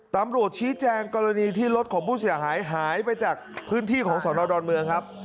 ตำรวจชี้แจงกรณีที่รถของผู้เสียหายหายไปจากพื้นที่ของสนดอนเมืองครับ